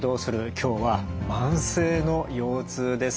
今日は慢性の腰痛です。